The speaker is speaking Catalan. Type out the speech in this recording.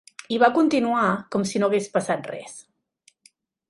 I va continuar com si no hagués passat res.